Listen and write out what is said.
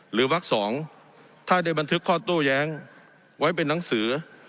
หรือวักสองถ้าได้บันทึกข้อตู้แย้งไว้เป็นนังสือ